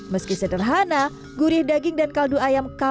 hai lake jawa adalah lingkungan yang lebih perlusturan dengan kualitas dan penebangnya